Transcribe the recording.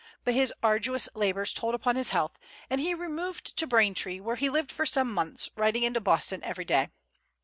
But his arduous labors told upon his health, and he removed to Braintree, where he lived for some months, riding into Boston every day.